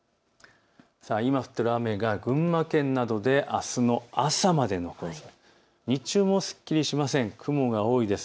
今降っている雨は群馬県などであすの朝まで残りそうです。